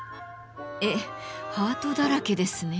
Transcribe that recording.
えっハートだらけですね。